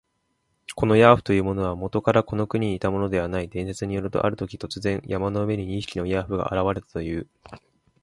このヤーフというものは、もとからこの国にいたものではない。伝説によると、あるとき、突然、山の上に二匹のヤーフが現れたという。